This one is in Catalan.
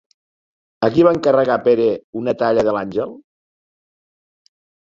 A qui va encarregar Pere una talla de l'àngel?